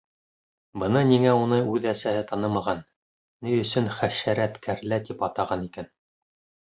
Бына ниңә уны үҙ әсәһе танымаған, ни өсөн «хәшәрәт кәрлә» тип атаған икән!